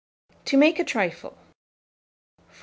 TO MAKE A TRIFLE. 1489.